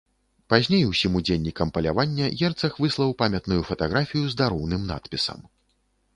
Пазней усім удзельнікам палявання герцаг выслаў памятную фатаграфію з дароўным надпісам.